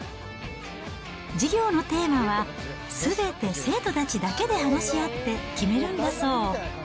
授業のテーマは、すべて生徒たちだけで話し合って決めるんだそう。